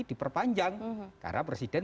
diperpanjang karena presiden